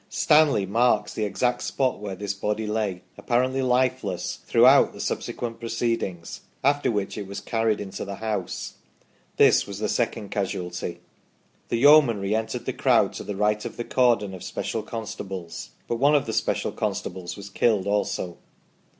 Stanley marks the exact spot where this body lay, apparently lifeless, through the subsequent proceedings, after which it was carried into the house. This was the second casualty. The Yeomanry entered the crowd to the right of the cordon of special con stables, but one of the special constables was killed also.